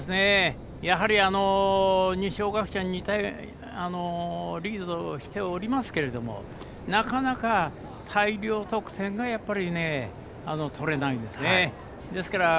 やはり、二松学舍リードしておりますけれどなかなか、大量得点が取れないんですね。